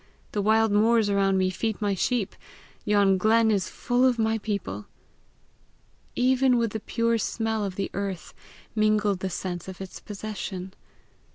The wild moors around me feed my sheep! Yon glen is full of my people!" Even with the pure smell of the earth, mingled the sense of its possession.